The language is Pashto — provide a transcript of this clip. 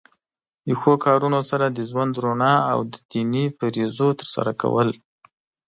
د ښو کارونو سره د ژوند رڼا او د دینی فریضو تر سره کول.